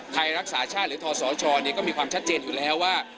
ไทยรักษาชาติหรือทศชก็มีความชัดเจนอยู่แล้วว่า